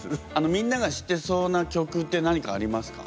みんなが知ってそうな曲って何かありますか？